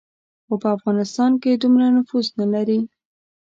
خو په افغانستان کې دومره نفوذ نه لري.